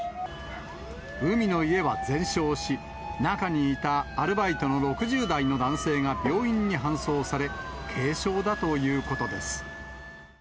海の家は全焼し、中にいたアルバイトの６０代の男性が病院に搬送され、軽傷だということです。